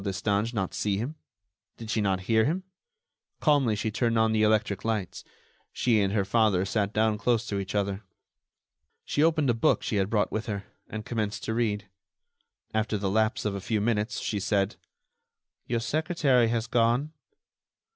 Destange not see him? Did she not hear him? Calmly she turned on the electric lights; she and her father sat down close to each other. She opened a book she had brought with her, and commenced to read. After the lapse of a few minutes she said: "Your secretary has gone."